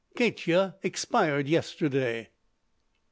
Katya expired yesterday?"